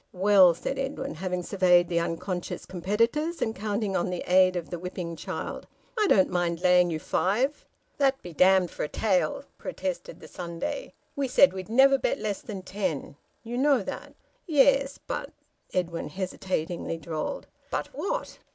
"Well," said Edwin, having surveyed the unconscious competitors, and counting on the aid of the whipping child, "I don't mind laying you five." "That be damned for a tale!" protested the Sunday. "We said we'd never bet less than ten you know that." "Yes, but " Edwin hesitatingly drawled. "But what?"